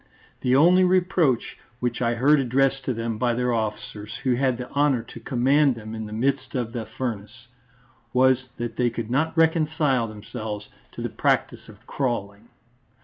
The only reproach, which I heard addressed to them by their officers, who had the honour to command them in the midst of the furnace, was that they could not reconcile themselves to the practice of crawling.